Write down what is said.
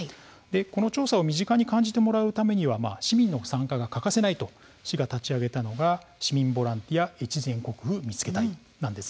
この調査を身近に感じてもらうには市民の参加が欠かせないと市が立ち上げたのが市民ボランティア越前国府見つけ隊です。